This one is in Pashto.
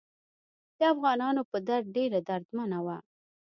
د افغانانو په درد ډیره دردمنه وه.